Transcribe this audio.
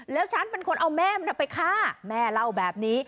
แล้วฉันเป็นคนเอาแม่มันไปฆ่าแม่เล่าแบบนี้